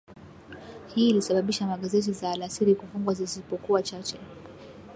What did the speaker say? Hii ilisababisha magazeti za alasiri kufungwa zisipokuwa chache